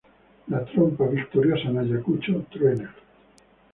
La trompa victoriosa en Ayacucho truena;